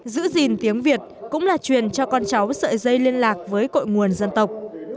giữ gìn tiếng việt cũng là truyền cho con cháu sợi dây liên lạc với cội nguồn dân tộc